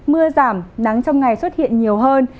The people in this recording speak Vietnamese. mưa giảm nắng trong ngày xuất hiện nhiều hơn